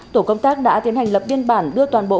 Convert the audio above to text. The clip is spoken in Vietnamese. tổ công tác đã tiến hành lập biên bản đưa toàn bộ